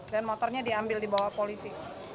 dan motornya diambil dibawah polisi